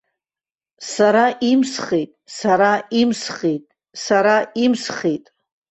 Сара имсхит, сара имсхит, сара имсхит!